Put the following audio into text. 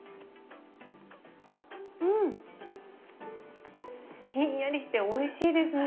うん！ひんやりしておいしいですね。